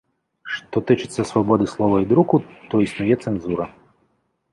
Што тычыцца свабоды слова і друку, то існуе цэнзура.